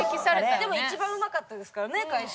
でも一番うまかったですからね返し。